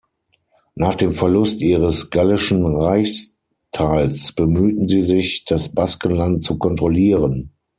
Nach dem Verlust ihres gallischen Reichsteils bemühten sie sich, das Baskenland zu kontrollieren.